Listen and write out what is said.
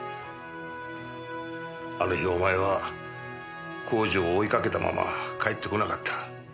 あの日お前は耕治を追いかけたまま帰ってこなかった。